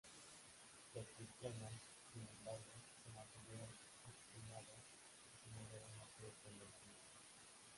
Los cristianos, sin embargo, se mantuvieron obstinado y se negaron a ser convencido.